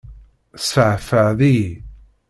Tesfeεfεeḍ-iyi!